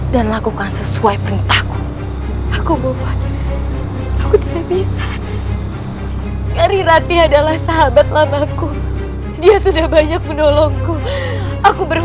jangan sampai kabur